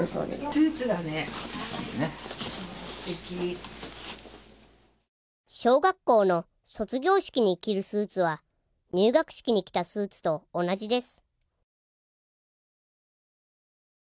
スーツだね素敵小学校の卒業式に着るスーツは入学式に着たスーツと同じです